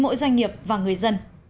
mỗi doanh nghiệp và người dân